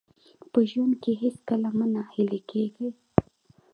په ژوند کې هېڅکله مه ناهیلي کېږئ.